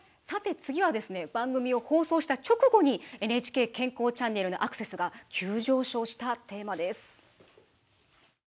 次は番組を放送した直後に「ＮＨＫ健康チャンネル」のアクセスが急上昇したテーマです。